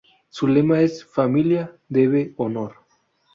Su lema es "Familia, deber, honor".